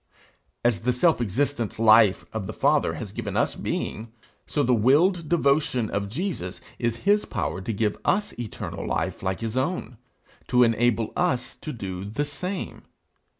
As the self existent life of the Father has given us being, so the willed devotion of Jesus is his power to give us eternal life like his own to enable us to do the same.